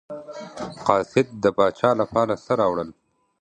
قاصد د پاچا لپاره څه راوړل.